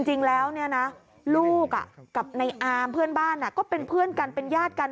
จริงแล้วลูกกับในอาร์มเพื่อนบ้านก็เป็นเพื่อนกันเป็นญาติกัน